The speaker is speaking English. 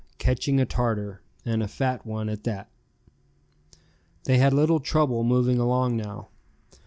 "CATCHING A TARTAR;" AND A FAT ONE AT THAT. They had little trouble moving along now.